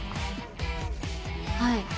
はい。